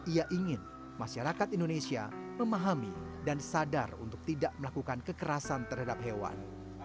ia ingin masyarakat indonesia memahami dan sadar untuk tidak melakukan kekerasan terhadap hewan